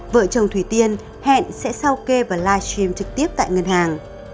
vợ chồng thủy tiên hẹn sẽ sau kê và livestream trực tiếp tại ngân hàng